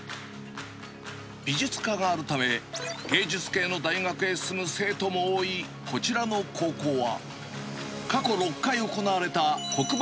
美術科があるため、芸術系の大学へ進む生徒も多いこちらの高校は、過去６回行われた黒板